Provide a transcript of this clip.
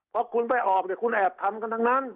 พอคุณไปออกเนี่ยคุณแอบทำกันทั้งนั้น